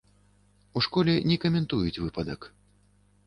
У школе не каментуюць выпадак.